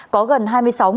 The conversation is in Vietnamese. có gần hai mươi sáu ca